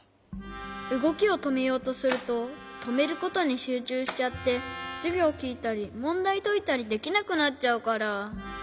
うごきをとめようとするととめることにしゅうちゅうしちゃってじゅぎょうきいたりもんだいといたりできなくなっちゃうから。